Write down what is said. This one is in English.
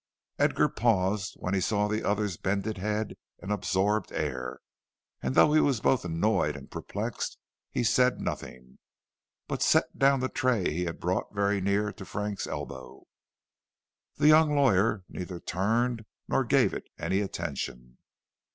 Edgar paused when he saw the other's bended head and absorbed air, and though he was both annoyed and perplexed he said nothing, but set down the tray he had brought very near to Frank's elbow. The young lawyer neither turned nor gave it any attention.